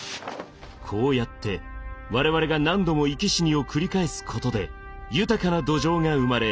こうやって我々が何度も生き死にを繰り返すことで豊かな土壌が生まれ